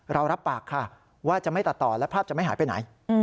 รับปากค่ะว่าจะไม่ตัดต่อและภาพจะไม่หายไปไหน